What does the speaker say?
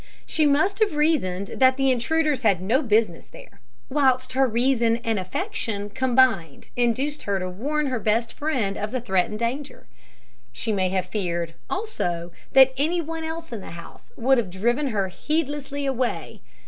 She must have reasoned that the intruders had no business there; whilst her reason and affection combined induced her to warn her best friend of the threatened danger. She may have feared, also, that any one else in the house would have driven her heedlessly away.